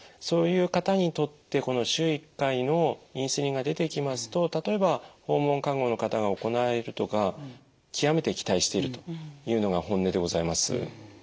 そういう方にとってこの週１回のインスリンが出てきますと例えば訪問看護の方が行えるとか極めて期待しているというのが本音でございます。